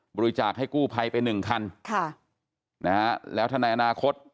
บริจาคให้กู้ภัยไปหนึ่งคันค่ะนะฮะแล้วถ้าในอนาคต